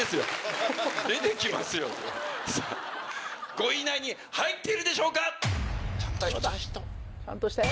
５位以内に入っているでしょうか